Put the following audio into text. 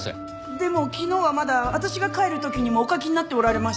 でも昨日はまだ私が帰る時にもお書きになっておられましたが。